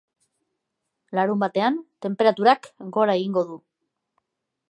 Larunbatean, tenperaturak gora egingo du.